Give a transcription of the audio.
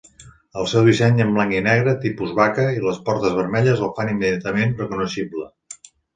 El seu disseny en blanc i negre "tipus vaca" i les portes vermelles, el fa immediatament reconeixible.